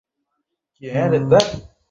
Hello, Sprite.